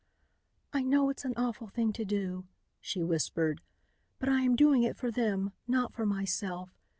"I know it's an awful thing to do," she whispered, "but I am doing it for them, not for myself.